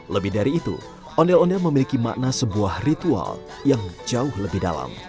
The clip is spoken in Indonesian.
lebih dari itu ondel ondel memiliki makna sebuah ritual yang jauh lebih dalam